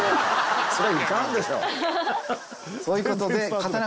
そういうことで。